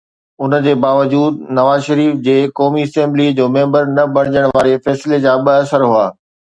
ان جي باوجود نواز شريف جي قومي اسيمبليءَ جو ميمبر نه بڻجڻ واري فيصلي جا ٻه اثر هئا.